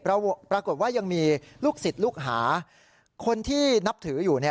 ปรากฏว่ายังมีลูกศิษย์ลูกหาคนที่นับถืออยู่